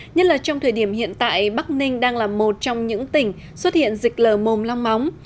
nhất là trong thời điểm hiện tại bắc ninh đang là một trong những tỉnh xuất hiện dịch lờ mồm long móng